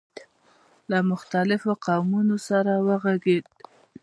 له مختلفو قومونو سره وغږېد.